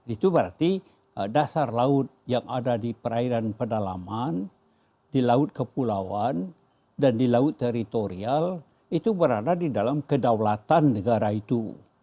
itu berarti dasar laut yang ada di perairan pedalaman di laut kepulauan dan di laut teritorial itu berada di dalam kedaulatan negara itu